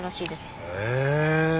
へえ！